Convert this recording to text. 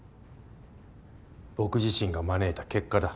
僕自身が招いた結果だ。